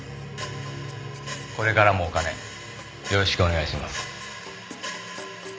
これからもお金よろしくお願いします。